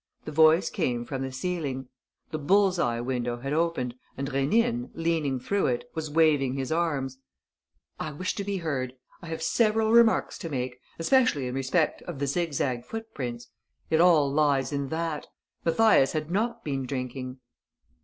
The voice came from the ceiling. The bulls eye window had opened and Rénine, leaning through it, was waving his arms: "I wish to be heard!... I have several remarks to make ... especially in respect of the zigzag footprints!... It all lies in that!... Mathias had not been drinking!..."